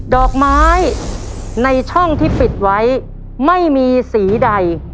ดอกไม้ในช่องที่ปิดไว้ไม่มีสีใด